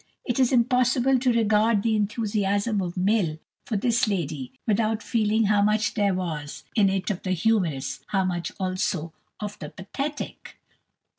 It is impossible to regard the enthusiasm of Mill for this lady without feeling how much there was in it of the humorous, how much also of the pathetic.